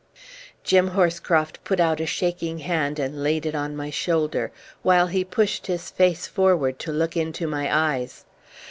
Jim Horscroft put out a shaking hand and laid it on my shoulder, while he pushed his face forward to look into my eyes.